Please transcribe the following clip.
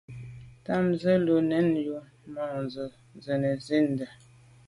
Tɑ́mə̀ zə ù lɛ̌nə́ yù môndzə̀ ú rə̌ nə̀ zí’də́.